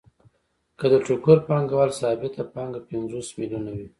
که د ټوکر پانګوال ثابته پانګه پنځوس میلیونه وي